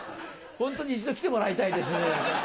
ホントに一度来てもらいたいです。